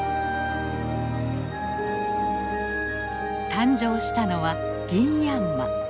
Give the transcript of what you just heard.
誕生したのはギンヤンマ。